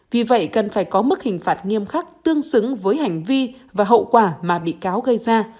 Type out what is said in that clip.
vì vậy cần phải có mức hình phạt nghiêm khắc tương xứng với hành vi và hậu quả mà bị cáo gây ra